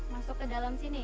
masuk ke dalam sini